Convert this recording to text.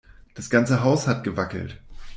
Das ganze Haus hat gewackelt.